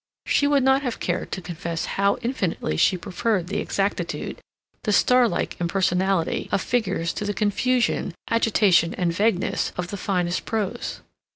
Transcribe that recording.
She would not have cared to confess how infinitely she preferred the exactitude, the star like impersonality, of figures to the confusion, agitation, and vagueness of the finest prose.